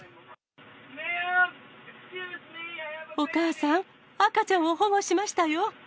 お母さん、赤ちゃんを保護しましたよ。